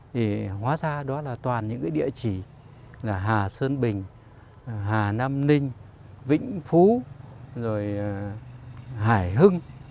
thì hóa ra đó là toàn những cái địa chỉ là hà sơn bình hà nam ninh vĩnh phú rồi hải hưng